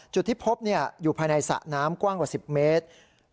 จุดที่พบอยู่ภายในสระน้ำกว้างกว่า๑๐เมตร